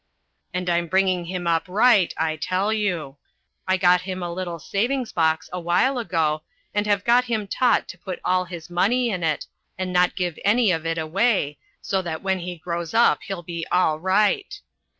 And I'm bringing him up right, I tell you. I got him a little savings box a while ago, and have got him taught to put all his money in it, and not give any of it away, so that when he grows up he'll be all right.